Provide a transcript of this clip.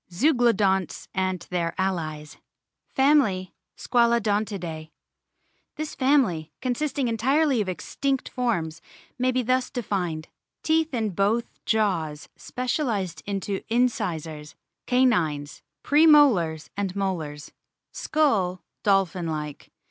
ZEUGLODONTS AND THEIR ALLIES FAMILY, SQUALODONTIDAE THIS family, consisting entirely of extinct forms, may be thus defined : Teeth in both jaws specialised into incisors, canines, pre molars, and molars. Skull, dolphin like.